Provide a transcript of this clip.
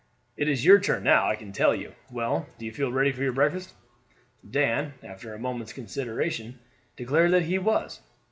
It is your turn now, I can tell you. Well, do you feel ready for your breakfast?" Dan, after a moment's consideration, declared that he was.